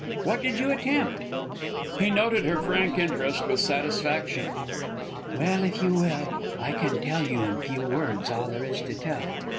What did you attempt?" He noted her frank interest with satisfaction. "Well, if you will, I can tell you in few words all there is to tell.